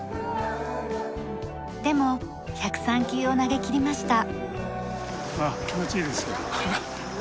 でも１０３球を投げきりました。